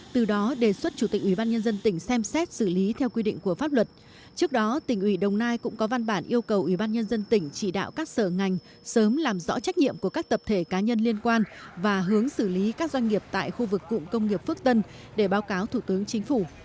từ đó đề xuất chủ tịch ubnd tỉnh xem xét xử lý theo quy định của pháp luật trước đó tỉnh ủy đồng nai cũng có văn bản yêu cầu ubnd tỉnh chỉ đạo các sở ngành sớm làm rõ trách nhiệm của các tập thể cá nhân liên quan và hướng xử lý các doanh nghiệp tại khu vực cụm công nghiệp phước tân để báo cáo thủ tướng chính phủ